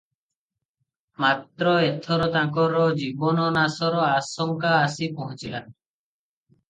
ମାତ୍ର ଏଥର ତାଙ୍କର ଜୀବନ ନାଶର ଆଶଙ୍କା ଆସି ପହଞ୍ଚିଲା ।